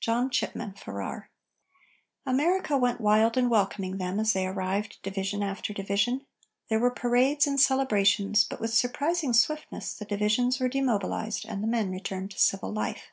JOHN CHIPMAN FARRAR. America went wild in welcoming them, as they arrived division after division. There were parades and celebrations; but with surprising swiftness the divisions were demobilized and the men returned to civil life.